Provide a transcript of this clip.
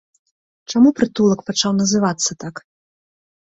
Чаму прытулак пачаў называцца так?